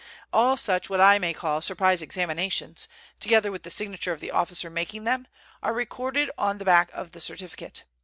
All such what I may call surprise examinations, together with the signature of the officer making them, are recorded on the back of the certificate.